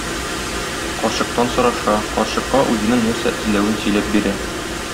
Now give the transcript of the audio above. Карчыктан сораша, карчыкка үзенең нәрсә эзләвен сөйләп бирә.